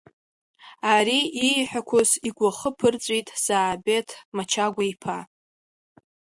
Ари ииҳәақәоз игәахы ԥырҵәеит Заабеҭ Мачагәа-иԥа.